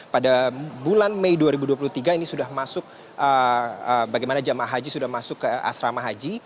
pada bulan mei dua ribu dua puluh tiga ini sudah masuk bagaimana jemaah haji sudah masuk ke asrama haji